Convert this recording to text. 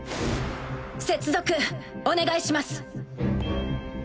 接続お願いします。